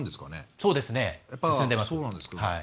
そうですね、進んでいます。